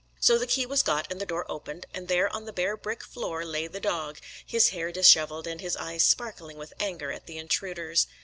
So the key was got and the door opened and there on the bare brick floor lay the dog, his hair dishevelled, and his eyes sparkling with anger at the intruders.